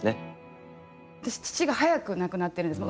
私父が早く亡くなってるんです。